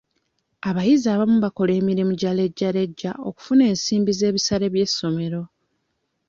Abayizi abamu bakola emirimu gya lejjalejja okufuna ensimbi z'ebisale by'essomero.